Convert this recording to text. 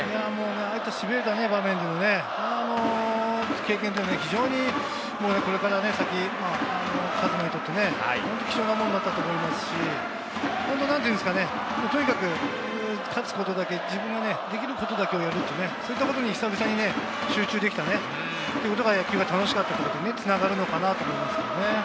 ああいったしびれた場面での経験って、これから先、和真にとって貴重なもんだったと思いますし、なんて言うんですかね、とにかく勝つことだけ、自分が出来ることだけ、そういったことに久々集中できたということが野球が楽しかったことに繋がるのかなと思います。